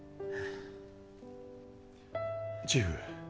チーフ